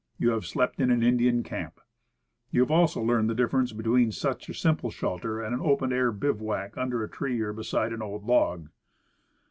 You have slept in an "Indian camp." You have also learned the difference between such a simple shelter and an open air bivouac under a tree or beside an old log.